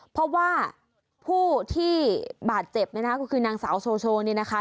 เพราะว่าผู้ที่บาดเจ็บนะครับก็คือนางสาวโชโชนี่นะคะ